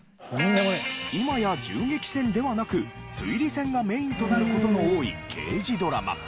今や銃撃戦ではなく推理戦がメインとなる事の多い刑事ドラマ。